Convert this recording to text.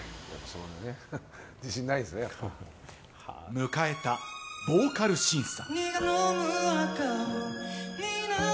迎えたボーカル審査。